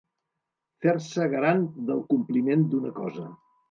Fer-se garant del compliment d'una cosa.